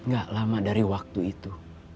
gak lama dari waktu itu